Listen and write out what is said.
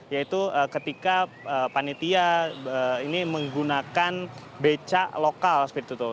yaitu ketika panitia ini menggunakan becak lokal seperti itu